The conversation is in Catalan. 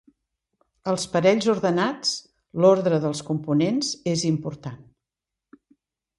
Als parells ordenats, l'ordre de les components és important.